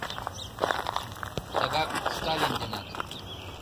Тыгак Сталин денат.